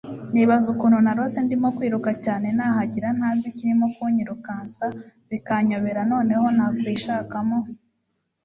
nibaza ukuntu narose ndimo kwiruka cyane nahagiye ntazi ikirimo kunyirukansa bikanyobera noneho nakwishakamo